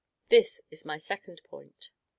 This is my second point. II.